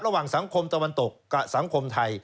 ระหว่างสังคมตะวันตกกับสังคมไทย